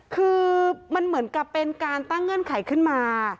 คือมันเหมือนกับเป็นการตั้งเงื่อนไขขึ้นมา